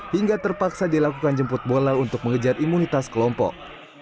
hingga terpaksa dilakukan jemput bola untuk mengejar imunitas kelompok